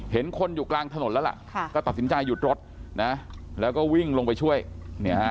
เห็นคนอยู่กลางถนนแล้วล่ะค่ะก็ตัดสินใจหยุดรถนะแล้วก็วิ่งลงไปช่วยเนี่ยฮะ